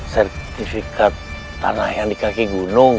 sertifikat tanah yang di kaki gunung